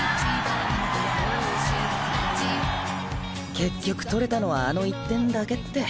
結局取れたのはあの１点だけって。